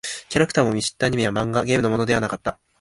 キャラクターも見知ったアニメや漫画、ゲームのものではなかった。